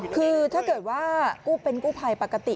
คือถ้าเกิดว่าเป็นกู้ภัยปกติ